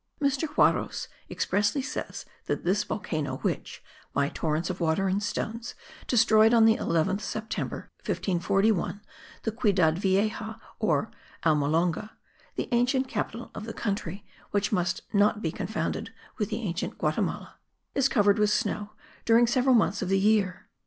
Mr. Juarros expressly says that this volcano which, by torrents of water and stones, destroyed, on the 11th September, 1541, the Ciudad Vieja, or Almolonga (the ancient capital of the country, which must not be confounded with the ancient Guatimala), is covered with snow, during several months of the year.